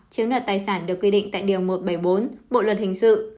chiếm đoạt tài sản được quy định tại điều một trăm bảy mươi bốn bộ luật hình sự